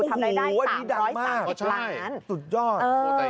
ทำรายได้ได้๓๓๐ล้านโอ้โฮอันนี้ดังมากอ๋อใช่สุดยอด